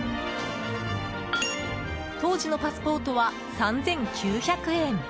当時のパスポートは３９００円。